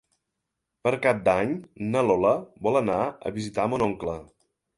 Per Cap d'Any na Lola vol anar a visitar mon oncle.